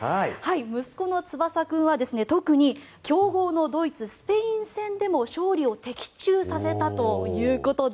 息子のツバサ君は、特に強豪のドイツ、スペイン戦でも勝利を的中させたということで